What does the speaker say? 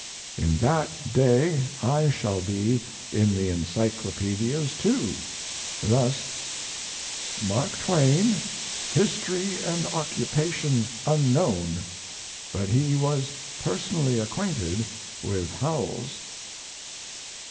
In that day I shall be in the encyclopedias too, thus: "Mark Twain, history and occupation unknown; but he was personally acquainted with Howells."